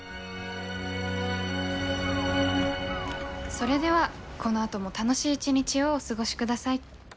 それではこのあとも楽しい一日をお過ごしください。